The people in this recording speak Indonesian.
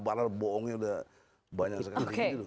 padahal bohongnya sudah banyak sekali